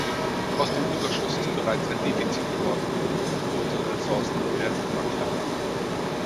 Aus dem Überschuss ist bereits ein Defizit geworden, und unsere Ressourcen werden immer knapper.